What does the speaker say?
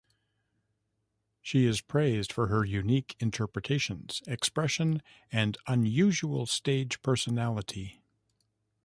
She is praised for her unique interpretations, expression, and unusual stage personality.